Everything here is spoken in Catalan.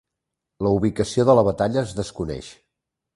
La ubicació de batalla es desconeix.